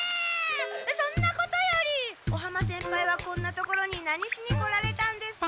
そんなことより尾浜先輩はこんなところに何しに来られたんですか？